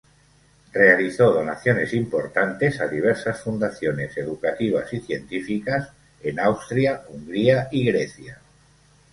Realizó donaciones importantes a diversas fundaciones educativas y científicas en Austria, Hungría y Grecia.